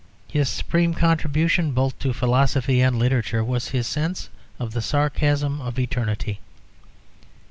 His supreme contribution, both to philosophy and literature, was his sense of the sarcasm of eternity.